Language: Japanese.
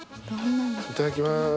いただきます。